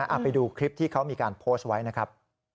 เอาไปดูคลิปที่เขามีการโพสต์ไว้นะครับ